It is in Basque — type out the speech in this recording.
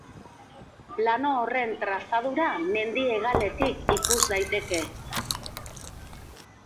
Plano horren trazadura mendi-hegaletik ikus daiteke.